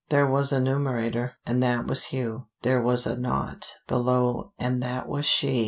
There was a numerator, and that was Hugh; there was a nought below and that was she.